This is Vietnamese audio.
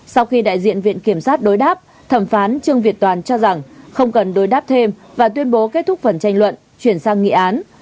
sau khi đại diện viện kiểm sát đối đáp thẩm phán trương việt toàn cho rằng không cần đối đáp thêm và tuyên bố kết thúc phần tranh luận chuyển sang nghị án